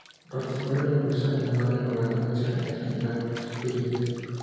Participó en la Revolución de La Noria, logrando vencer al general Porfirio Díaz.